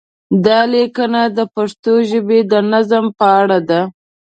دا لیکنه د پښتو ژبې د نظم په اړه ده.